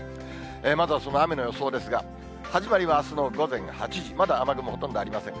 まずはその雨の予想ですが、始まりはあすの午前８時、まだ雨雲、ほとんどありません。